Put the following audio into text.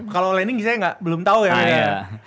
kalau landing saya belum tahu ya